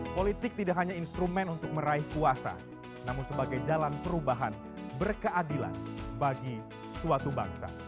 politik tidak hanya instrumen untuk meraih puasa namun sebagai jalan perubahan berkeadilan bagi suatu bangsa